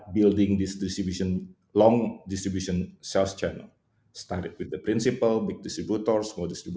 jadi ketika kita berbicara tentang jenis jenis di sini adalah artisan awal hingga challenger